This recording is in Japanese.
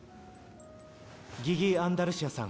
ギギ・アンダルシアさん